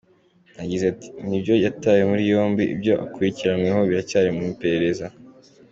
Yagize ati “Nibyo yatawe muri yombi, ibyo akurikiranweho biracyari mu iperereza.